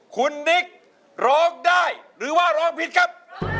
คุณนิกร้องได้หรือว่าร้องผิดครับ